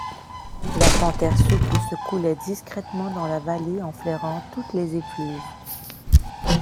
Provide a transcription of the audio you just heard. La panthère souple se coulait discrètement dans la vallée en flairant toutes les effluves.